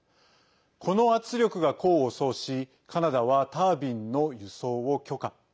この圧力が功を奏し、カナダはタービンの輸送を許可。